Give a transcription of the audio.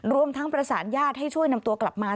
รวมทั้งประสานญาติให้ช่วยนำตัวกลับมา